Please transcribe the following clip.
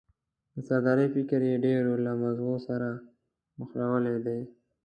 د سردارۍ فکر یې د ډېرو له مغزو سره مښلولی دی.